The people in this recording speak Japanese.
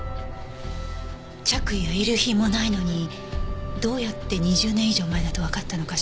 着衣や遺留品もないのにどうやって２０年以上前だとわかったのかしら？